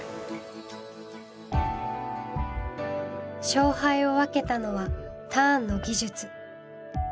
勝敗を分けたのはターンの技術。